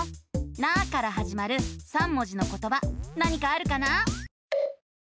「な」からはじまる３文字のことば何かあるかな？